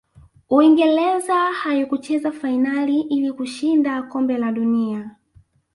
uingereza haikucheza fainali ili kushinda kombe la dunia